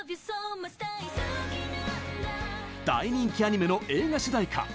大人気アニメの映画主題歌